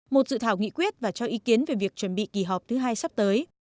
một dự thảo nghị quyết và cho ý kiến về việc chuẩn bị kỳ họp thứ hai sắp tới